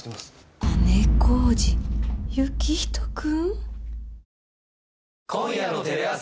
姉小路行人君？